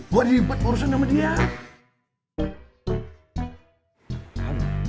gue diimpat warusan sama dia